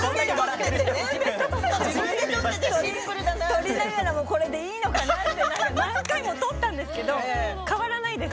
撮りながらもこれでいいのかなって何回も撮ったんですけど変わらないです。